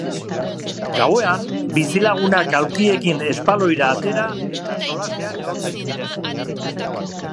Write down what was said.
Gauean, bizilagunak aulkiekin espaloira atera, eta solasean egoten ziren.